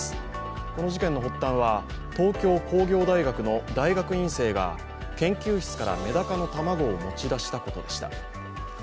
この事件の発端は東京工業大学の大学院生が研究室からメダカの卵を持ち出したことでした。